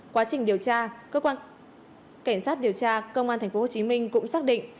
quá trình điều tra cơ quan cảnh sát điều tra công an tp hcm cũng xác định